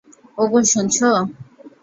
ওগো, শুনছো।